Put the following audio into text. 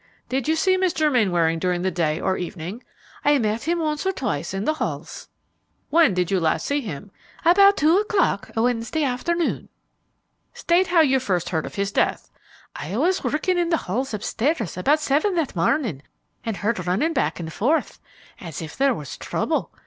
"Did you see Mr. Mainwaring during the day or evening?" "I met him once or twice in the halls." "When did you last see him?" "About two o'clock Wednesday afternoon." "State how you first heard of his death." "I was working in the halls up stairs about seven that morning and heard running back and forth, as if there was trouble.